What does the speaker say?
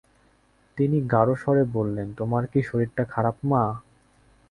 তিনি গাঢ় স্বরে বললেন, তোমার কি শরীরটা খারাপ মা?